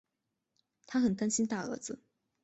她很担心大儿子